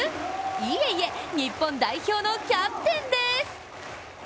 いえいえ、日本代表のキャプテンです。